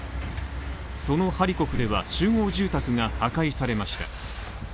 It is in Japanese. そのハリコフでは集合住宅が破壊されました。